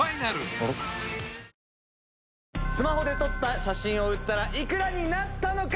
覆个拭スマホで撮った写真を売ったらいくらになったのか？